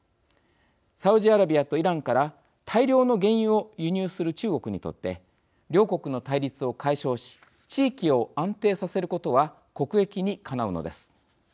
サウジアラビアとイランから大量の原油を輸入する中国にとって両国の対立を解消し地域を安定させることは国益にかなうのです。